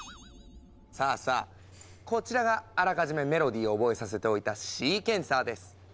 さあさあこちらがあらかじめメロディーを覚えさせておいたシーケンサーです。